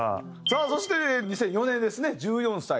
さあそして２００４年ですね１４歳。